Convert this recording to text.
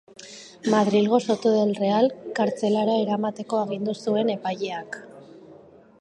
Madrilgo Soto del Real kartzelara eramateko agindu zuen epaileak.